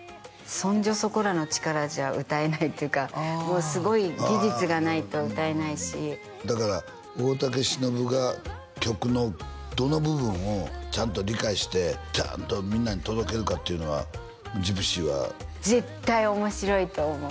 そんじょそこらの力じゃ歌えないっていうかもうすごい技術がないと歌えないしだから大竹しのぶが曲のどの部分をちゃんと理解してちゃんとみんなに届けるかっていうのは「ＧＹＰＳＹ」は絶対面白いと思う！